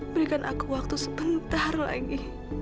berikan aku waktu sebentar lagi